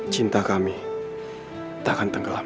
cinta kami tak akan tenggelam